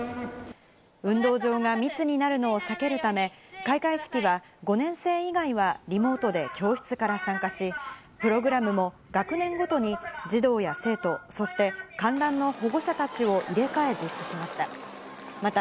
運動場が密になるのを避けるため、開会式は５年生以外はリモートで教室から参加し、プログラムも学年ごとに児童や生徒、そして観覧の保護者たちを入れ替え実施しました。